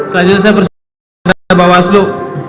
selanjutnya saya persiapkan kepada bawaslu